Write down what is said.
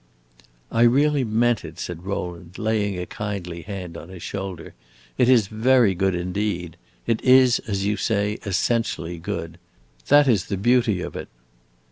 "I really meant it," said Rowland, laying a kindly hand on his shoulder. "It is very good indeed. It is, as you say, essentially good. That is the beauty of it."